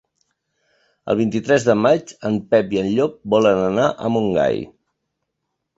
El vint-i-tres de maig en Pep i en Llop volen anar a Montgai.